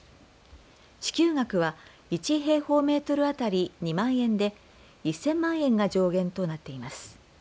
支給額は１平方メートルあたり２万円で、１０００万円が上限となっています。